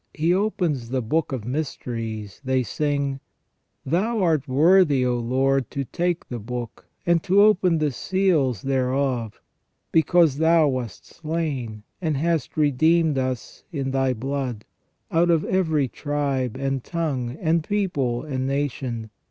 He opens the book of mysteries, they sing :" Thou art worthy, O Lord, to take the book, and to open the seals thereof : because Thou wast slain, and hast redeemed us in Thy blood, out of every tribe, and tongue, and people, and nation.